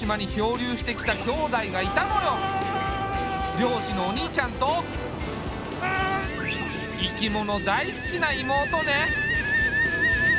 漁師のお兄ちゃんと生き物大好きな妹ね。